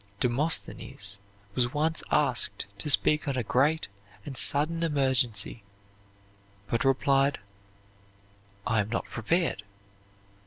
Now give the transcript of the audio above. Demosthenes was once asked to speak on a great and sudden emergency, but replied, "I am not prepared."